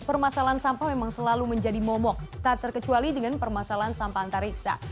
permasalahan sampah memang selalu menjadi momok tak terkecuali dengan permasalahan sampah antariksa